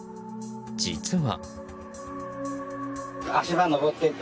実は。